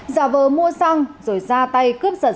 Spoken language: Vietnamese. giả vờ mua xăng rồi ra tay cướp giật